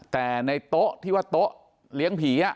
แต่ในโต๊ะที่ว่าโต๊ะเลี้ยงผี